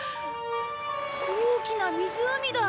大きな湖だ。